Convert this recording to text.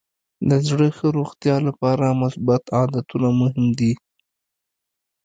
د زړه ښه روغتیا لپاره مثبت عادتونه مهم دي.